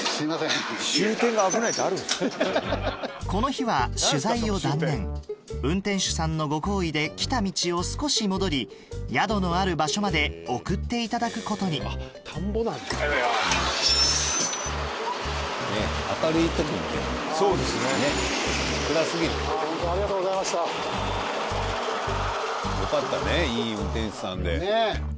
この日は取材を断念運転手さんのご厚意で来た道を少し戻り宿のある場所まで送っていただくことによかったねいい運転手さんで。